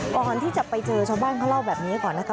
ก่อนที่จะไปเจอชาวบ้านเขาเล่าแบบนี้ก่อนนะคะ